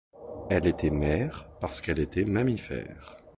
Elle était mère parce qu'elle était mammifère.